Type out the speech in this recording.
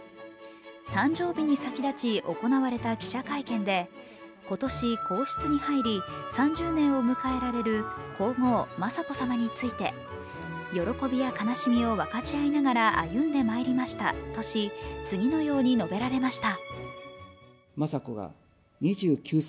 誕生日に先立ち、行われた記者会見で、今年、皇室に入り３０年を迎えられる皇后・雅子さまについて喜びや悲しみを分かち合いながら歩んでまいりましたとし、次のように述べられました。